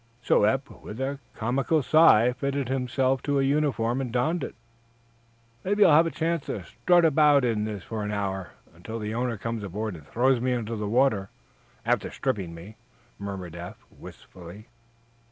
So Eph, with a comical sigh, fitted himself to a uniform and donned it. "Maybe I'll have a chance to strut about in this for an hour, until the owner comes aboard and throws me into the water, after stripping me," murmured Eph, wistfully.